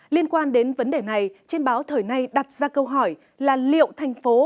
liên quan đến vấn đề này trên báo thời nay đặt ra câu hỏi là liệu thành phố